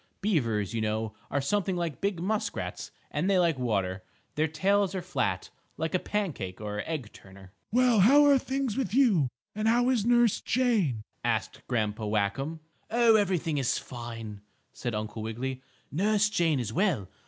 Beavers, you know, are something like big muskrats, and they like water. Their tails are flat, like a pancake or egg turner. "Well, how are things with you, and how is Nurse Jane?" asked Grandpa Whackum. "Oh, everything is fine," said Uncle Wiggily. "Nurse Jane is well.